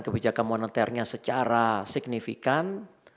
kebijakan moneternya secara signifikan